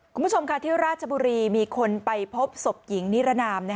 คุณผู้ชมค่ะที่ราชบุรีมีคนไปพบศพหญิงนิรนาม